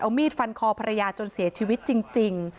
มีดฟันคอภรรยาจนเสียชีวิตจริง